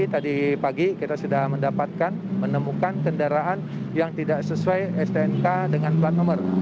tadi pagi kita sudah mendapatkan menemukan kendaraan yang tidak sesuai stnk dengan plat nomor